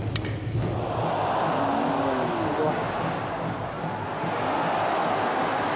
すごい。